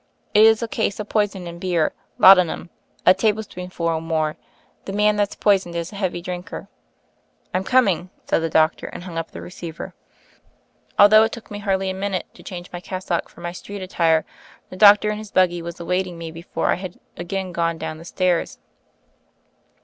It is a case of poison in beer — laudanum — a tablespoonful or more. The man that's poisoned is a heavy drinker." "I'm coming!" said the doctor and hung up the receiver. Although it took me hardly a minute to change my cassock for my street attire, the doc tor in his buggy was awaiting me before I had again gone down the stairs.